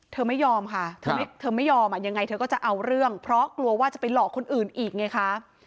เธอไม่ยอมค่ะเธอไม่ยอมยังไงเธอก็จะเอาเรื่องเพราะกลัวว่าจะไปหลอกคนอื่นอีกไงคะ